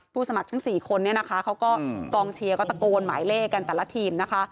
ผู้สมัครทั้งสี่คนเขากองเชียร์ก็ตะโกนหมายเลขกันแต่ละทีม